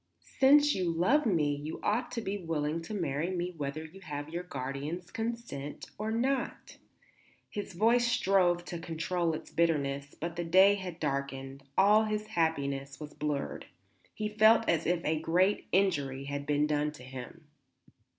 "Since you love me you ought to be willing to marry me whether you have your guardian's consent or not." His voice strove to control its bitterness; but the day had darkened; all his happiness was blurred. He felt as if a great injury had been done him.